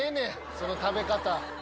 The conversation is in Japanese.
その食べ方。